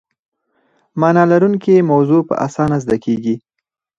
معنی لرونکې موضوع په اسانۍ زده کیږي.